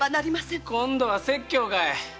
今度は説教か。